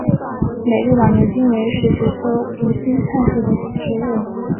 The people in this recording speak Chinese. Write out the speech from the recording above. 美丽老牛筋为石竹科无心菜属的植物。